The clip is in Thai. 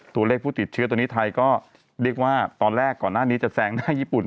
ตัวเลขผู้ติดเชื้อตัวนี้ไทยก็เรียกว่าตอนแรกก่อนหน้านี้จะแซงหน้าญี่ปุ่น